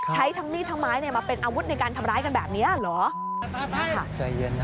ทั้งมีดทั้งไม้มาเป็นอาวุธในการทำร้ายกันแบบนี้เหรอ